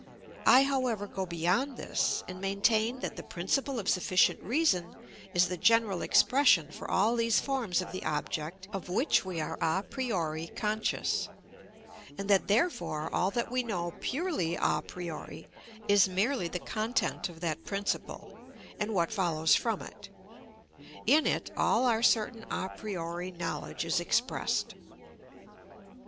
I however go beyond this, and maintain that the principle of sufficient reason is the general expression for all these forms of the object of which we are a priori conscious; and that therefore all that we know purely a priori, is merely the content of that principle and what follows from it; in it all our certain a priori knowledge is expressed.